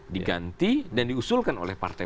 diganti dan diusulkan oleh partai